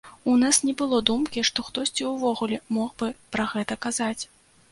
У нас не было думкі, што хтосьці ўвогуле мог бы пра гэта казаць.